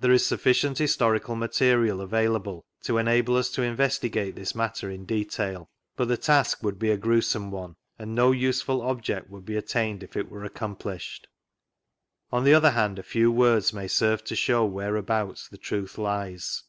There is sufficient historical materia! available to enable us to Investigate this matter in detail, but the task would be a gruesome one, and no useful object would be attaiited if it were accomplished. On the other hand, ' a few words ibay serve to show' whereabouts the truth lies.